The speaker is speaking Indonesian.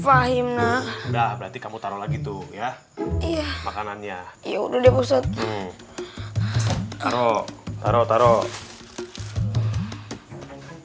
fahim nah udah berarti kamu taruh lagi tuh ya makanannya ya udah deh ustadz taruh taruh taruh